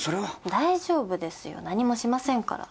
大丈夫ですよ何もしませんから。